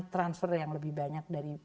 transfer yang lebih banyak dari